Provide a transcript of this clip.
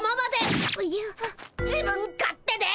自分勝手で。